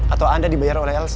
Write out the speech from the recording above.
atau anda dibayar oleh lc